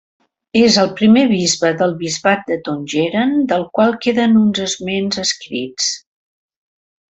És el primer bisbe del bisbat de Tongeren del qual queden uns esments escrits.